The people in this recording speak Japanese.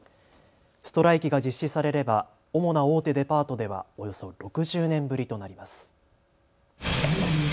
ストライキが実施されれば主な大手デパートではおよそ６０年ぶりとなります。